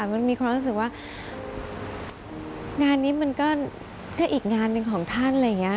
มันมีความรู้สึกว่างานนี้มันก็อีกงานหนึ่งของท่าน